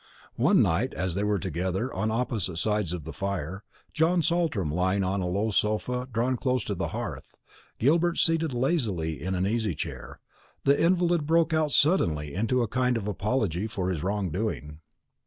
One night, as they were together on opposite sides of the fire, John Saltram lying on a low sofa drawn close to the hearth, Gilbert seated lazily in an easy chair, the invalid broke out suddenly into a kind of apology for his wrong doing.